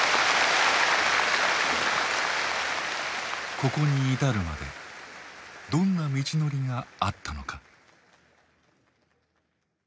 ここに至るまでどんな道のりがあったのか。